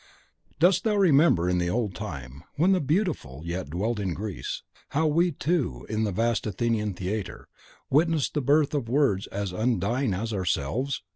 Dost thou remember in the old time, when the Beautiful yet dwelt in Greece, how we two, in the vast Athenian Theatre, witnessed the birth of Words as undying as ourselves?